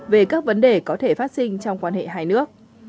về các vấn đề có thể phát sinh trong quan hệ hai nước